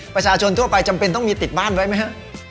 ประชาชนทั่วไปจำเป็นต้องมีติดบ้านไว้ไหมฮะ